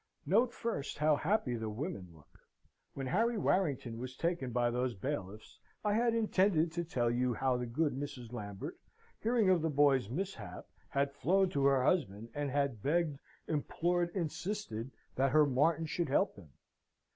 Note first, how happy the women look! When Harry Warrington was taken by those bailiffs, I had intended to tell you how the good Mrs. Lambert, hearing of the boy's mishap, had flown to her husband, and had begged, implored, insisted, that her Martin should help him.